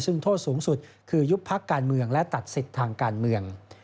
ซึ่งโทษสูงสุดคือยุบพักการเมืองและตัดสิทธิ์ทางการเมือง